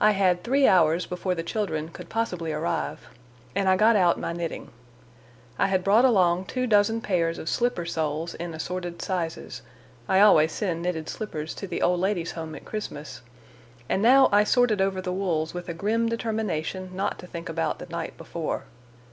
I had three hours before the children could possibly arrive, and I got out my knitting. I had brought along two dozen pairs of slipper soles in assorted sizes—I always send knitted slippers to the Old Ladies' Home at Christmas—and now I sorted over the wools with a grim determination not to think about the night before.